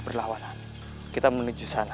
berlawanan kita menuju sana